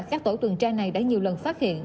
các tổ tuần tra này đã nhiều lần phát hiện